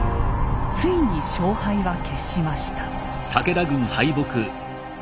ついに勝敗は決しました。